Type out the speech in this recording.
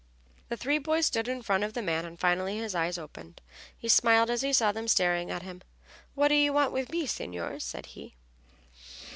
The three boys stood in front of the man, and finally his eyes opened. He smiled as he saw them staring at him. "What do you want with me, signors?" said he.